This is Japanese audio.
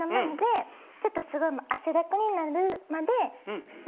ちょっと汗だくになるまで。